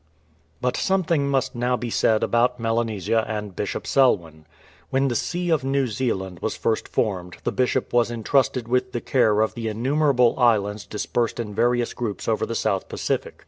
But somethin^c must now be said about Melanesia and Bishop Selwyn. When the see of New Zealand was first formed the Bishop was entrusted with the care of the in numerable islands dispersed in various groups over the South Pacific.